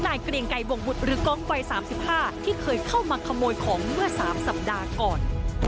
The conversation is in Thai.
นายเกรงไก่วงบุตรหรือกองไว้สามสิบห้าที่เคยเข้ามาขโมยของเมื่อสามสัปดาห์ก่อน